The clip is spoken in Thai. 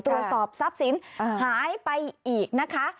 ตรวจสอบทรัพย์สินหายไปอีกนะคะ